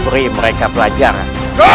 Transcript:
beri mereka pelajaran